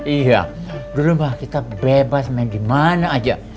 iya dulu kita bebas main dimana aja